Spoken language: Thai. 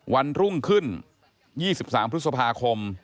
วันรุ่งขึ้น๒๓พฤษภาคม